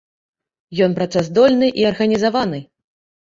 Ён працаздольны і арганізаваны.